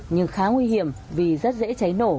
nhưng khá nguy hiểm vì rất dễ cháy nổ